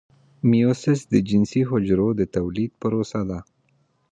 میوسیس د جنسي حجرو د تولید پروسه ده